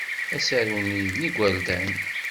Asaru-nni n yigerdan.